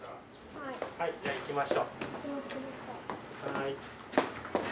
はいじゃあ行きましょう。